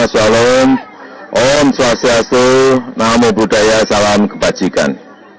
shalom om swastiastu namo buddhaya salam kebajikan